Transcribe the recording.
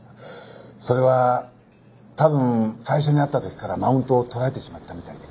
それは多分最初に会った時からマウントを取られてしまったみたいで。